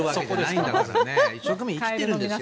一生懸命生きてるんですよ